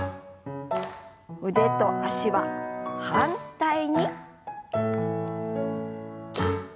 腕と脚は反対に。